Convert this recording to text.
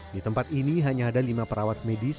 di tempat ini hanya ada lima perawat medis